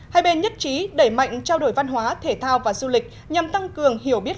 hai bên nhất trí đẩy mạnh trao đổi văn hóa thể thao và du lịch nhằm tăng cường hiểu biết